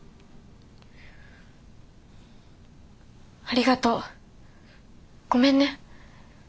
ありがとうごめんね。